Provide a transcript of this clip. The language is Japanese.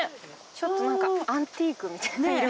ちょっと何かアンティークみたいな色。